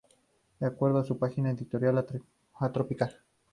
De acuerdo con su página editorial, "Antrópica.